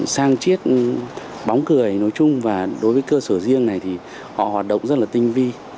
sang chiết bóng cười nói chung và đối với cơ sở riêng này thì họ hoạt động rất là tinh vi